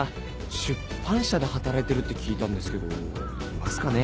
出版社で働いてるって聞いたんですけどいますかね？